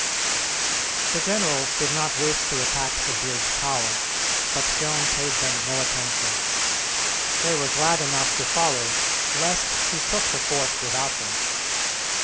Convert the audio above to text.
The generals did not wish to attack the bridge tower, but Joan paid them no attention. They were glad enough to follow, lest she took the fort without them.